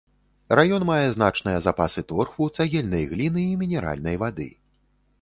Раён мае значныя запасы торфу, цагельнай гліны і мінеральнай вады.